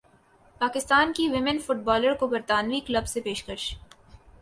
پاکستان کی women footballer کو برطانوی کلب سے پیشکش